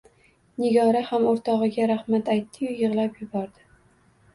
Nigora ham o`rtog`iga rahmat aytdiyu yig`lab yubordi